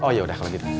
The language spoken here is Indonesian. oh yaudah kalau gitu